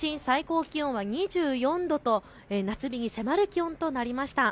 きょうは東京都心、最高気温は２４度と夏日に迫る気温となりました。